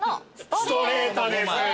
ストレートです。